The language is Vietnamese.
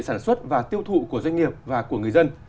sản xuất và tiêu thụ của doanh nghiệp và của người dân